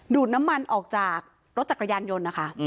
ดูดน้ำมันออกจากรถจักรยานยนต์นะคะ